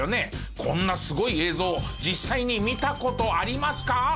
こんなすごい映像実際に見た事ありますか？